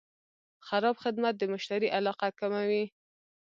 خراب خدمت د مشتری علاقه کموي.